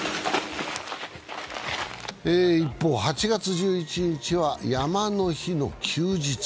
一方、８月１１日は山の日の休日。